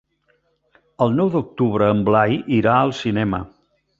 El nou d'octubre en Blai irà al cinema.